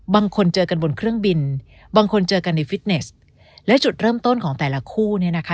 บางคนเจอกันบนเครื่องบินบางคนเจอกันในฟิตเนสและจุดเริ่มต้นของแต่ละคู่เนี่ยนะคะ